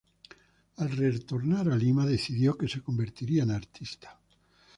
Al retornar a Lima decidió que se convertiría en artista.